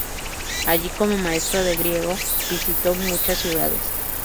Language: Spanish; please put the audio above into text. Allí, como maestro de griego, visitó muchas ciudades.